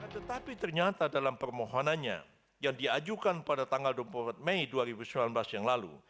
tetapi ternyata dalam permohonannya yang diajukan pada tanggal dua puluh empat mei dua ribu sembilan belas yang lalu